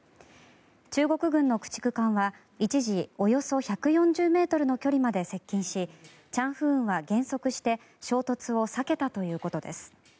中国軍の駆逐艦は一時、およそ１４０ｍの距離まで接近し「チャンフーン」は減速して衝突を避けたということです。